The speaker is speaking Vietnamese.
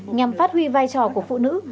nhằm phát huy vai trò của phụ nữ